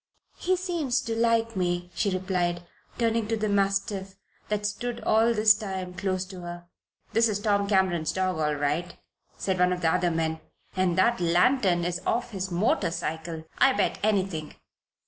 "He seems to like me," she replied, turning to the mastiff that had stood all this time close to her. "That is Tom Cameron's dog all right," said one of the other men. "And that lantern is off his motorcycle, I bet anything!